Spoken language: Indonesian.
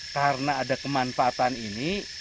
karena ada kemanfaatan ini